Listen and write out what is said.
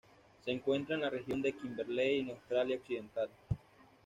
Se encuentra en la región de Kimberley en Australia Occidental.